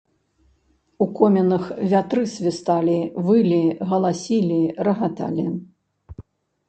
У комінах вятры свісталі, вылі, галасілі, рагаталі.